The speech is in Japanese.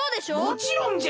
もちろんじゃ！